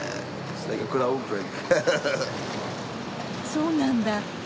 そうなんだ。